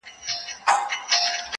په سلگونو یې کورونه وه لوټلي.!